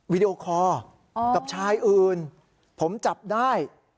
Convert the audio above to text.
วิดีโอคอร์กับชายอื่นผมจับได้